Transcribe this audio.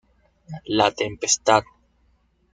La tempestad.